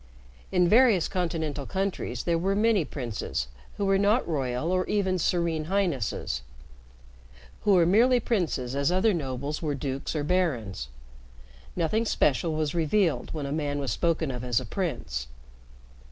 In various Continental countries there were many princes who were not royal or even serene highnesses who were merely princes as other nobles were dukes or barons. Nothing special was revealed when a man was spoken of as a prince.